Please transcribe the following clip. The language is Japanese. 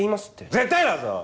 絶対だぞ！